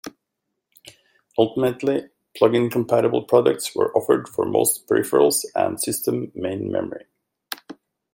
Ultimately plug-compatible products were offered for most peripherals and system main memory.